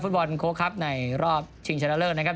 กับฟุตบอลโคคลับในรอบชิงแชนเนอเลิศนะครับ